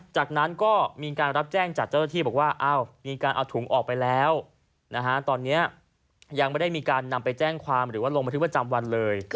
จากนั้นก็มีการรับแจ้งจากเจ้าหน้าที่บอกว่ามีการเอาถุงออกไปแล้วตอนนี้ยังไม่ได้มีการนำไปแจ้งความหรือว่าลงบันทึกประจำวันเลย